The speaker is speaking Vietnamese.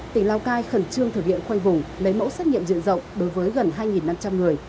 tỉnh lào cai khẩn trương thực hiện khoanh vùng lấy mẫu xét nghiệm diện rộng đối với gần hai năm trăm linh người